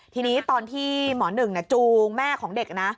ทีนี้ตอนที่หมอหนึ่งจูงแม่ของเด็กนะ